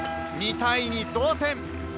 ２対２同点。